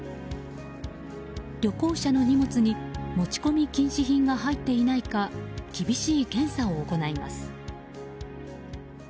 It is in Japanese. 旅行者の荷物に持ち込み禁止品が入っていないか厳しい検査を行います。